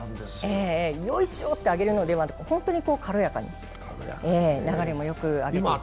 「よいしょ」と上げるのではなく本当に軽やかに流れもよく上げています。